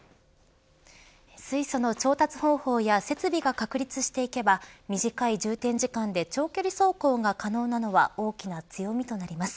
水素の調達方法や設備が確立していけば短い充填時間で長距離走行が可能なのは大きな強みとなります。